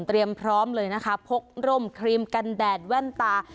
พร้อมเลยนะคะพกร่มครีมกันแดดแว่นตา